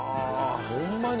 ホンマに？